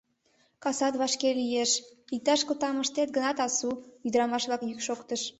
— Касат вашке лиеш, иктаж кылтам ыштет гынат, асу, — ӱдырамаш-влак йӱк шоктыш.